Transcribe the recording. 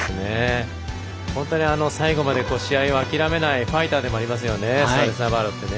本当に最後まで試合を諦めないファイターでもありますよね。